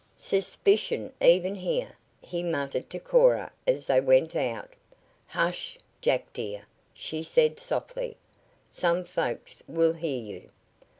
"Suspicion even here," he muttered to Cora as they went out. "Hush, Jack, dear," she said softly. "Some folks will hear you."